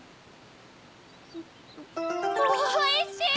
おいしい！